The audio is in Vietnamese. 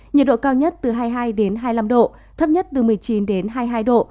nhiệt độ cao nhất từ hai mươi hai đến hai mươi năm độ thấp nhất từ một mươi chín đến hai mươi hai độ